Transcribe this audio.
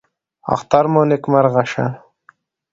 اختر مو نیکمرغه شه